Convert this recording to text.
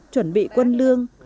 chuẩn bị quân lương